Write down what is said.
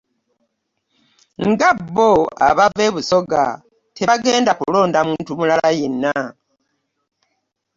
Nga bo abava e Busoga tebagenda kulonda muntu mulala yenna.